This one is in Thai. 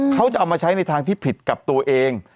เขาจะเอามาใช้ในทางที่ผิดกับตัวเอง